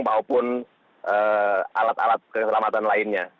maupun alat alat keselamatan lainnya